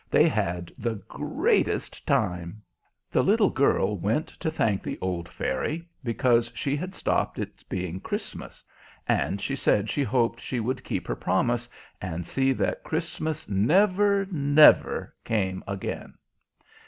They had the greatest time! The little girl went to thank the old Fairy because she had stopped its being Christmas, and she said she hoped she would keep her promise and see that Christmas never, never came again.